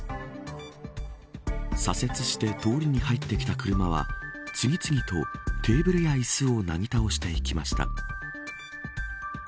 左折して通りに入ってきた車は次々とテーブルや椅子をなぎ倒していきました。